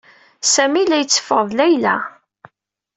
Sami la yetteffeɣ d Layla.